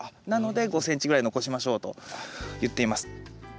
なので５ｃｍぐらい残しましょうと言っています。